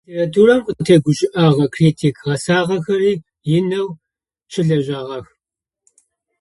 Адыгэ литературэм къытегущыӏэгъэ критик гъэсагъэхэри инэу щылэжьагъэх.